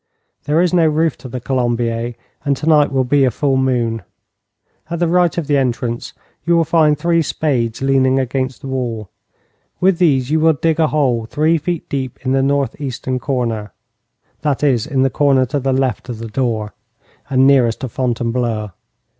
There is no roof to the Colombier, and tonight will be a full moon. At the right of the entrance you will find three spades leaning against the wall. With these you will dig a hole three feet deep in the north eastern corner that is, in the corner to the left of the door, and nearest to Fontainebleau.